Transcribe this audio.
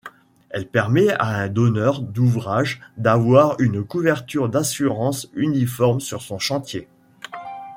Elle permet à un donneur d’ouvrage d’avoir une couverture d’assurance uniforme sur son chantier.